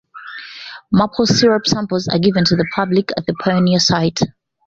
Maple syrup samples are given to the public at the pioneer site.